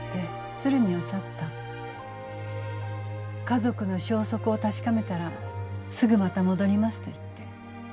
「家族の消息を確かめたらすぐまた戻ります」と言って。